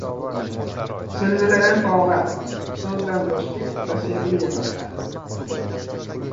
• Zilziladan tog‘lar, so‘zdan do‘stlik va sevgi yemiriladi.